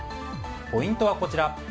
ポイントはこちら。